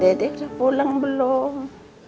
dedek jauh pulang belum